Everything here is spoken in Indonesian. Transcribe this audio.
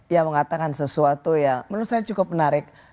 yang mengatakan sesuatu yang menurut saya cukup menarik